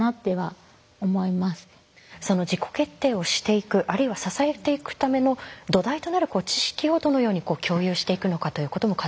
その自己決定をしていくあるいは支えていくための土台となる知識をどのように共有していくのかということも課題かと思うんですが。